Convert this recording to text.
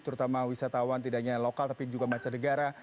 terutama wisatawan tidak hanya lokal tapi juga masyarakat negara